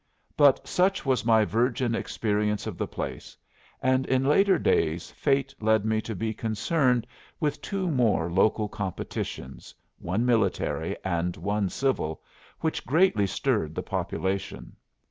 But such was my virgin experience of the place; and in later days fate led me to be concerned with two more local competitions one military and one civil which greatly stirred the population.